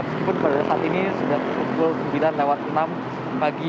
meskipun pada saat ini sejak pukul sembilan lewat enam pagi